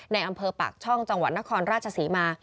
อำเภอปากช่องจังหวัดนครราชศรีมา